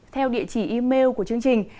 theo địa chỉ email của chương trình